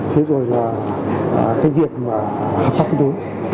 thế rồi là cái việc hợp tác cũng tới